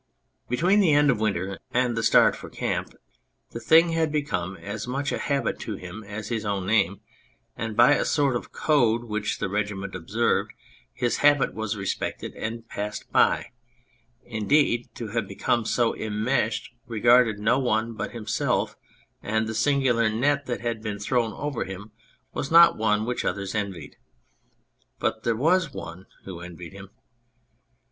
Between the end of winter and the start for camp, the thing had become as much a habit to him as his own name, and by a sort of code which the regiment observed, his habit was respected and passed by ; indeed, to have become so immeshed regarded no one but himself, and the singular net that had been thrown over him was not one which others envied. But there was one who envied him.